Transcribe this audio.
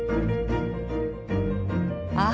あ！